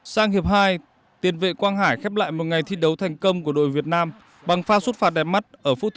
sang hiệp hai tuyển vệ quang hải khép lại một ngày thi đấu thành công của đội việt nam bằng pha suốt phạt đẹp mắt ở phút thứ sáu mươi tám